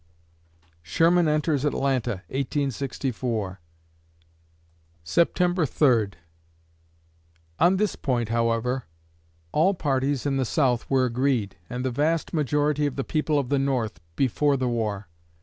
Sherman enters Atlanta, 1864 September Third On this point, however, all parties in the South were agreed, and the vast majority of the people of the North before the war.